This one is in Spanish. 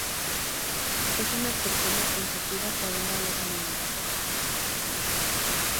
Es una persona pensativa que adora a los niños.